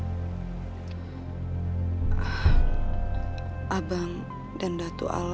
saya akan gak mustahak